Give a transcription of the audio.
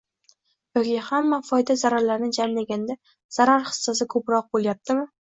yoki hamma foyda-zararlarni jamlaganda zarar hissasi ko‘proq bo‘lyaptimi?